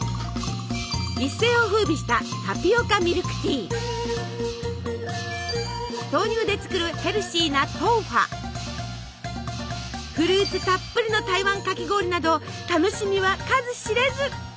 一世をふうびした豆乳で作るヘルシーなフルーツたっぷりの台湾かき氷など楽しみは数知れず。